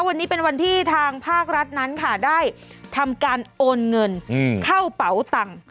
วันนี้เป็นวันที่ทางภาครัฐนั้นค่ะได้ทำการโอนเงินเข้าเป๋าตังค์